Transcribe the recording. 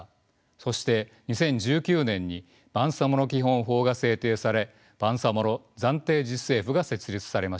そして２０１９年にバンサモロ基本法が制定されバンサモロ暫定自治政府が設立されました。